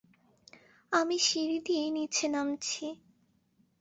আমি সিঁড়ি দিয়ে নিচে নামছি।